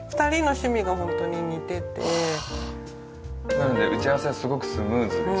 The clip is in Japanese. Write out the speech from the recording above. なので打ち合わせはすごくスムーズでした。